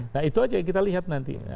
nah itu aja yang kita lihat nanti